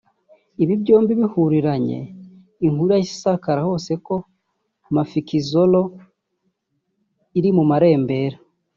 Ibi byombi bihuriranye inkuru yahise isakara hose ko Mafikizolo iri mu marembera